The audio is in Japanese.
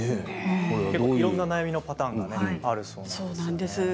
いろんなお悩みのパターンがあるそうです。